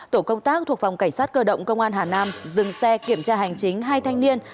tổ công tác thuộc phòng cảnh sát cơ động công an hà nam dừng xe kiểm tra hành chính hai thanh niên